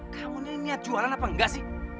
kamu ini niat jualan apa enggak sih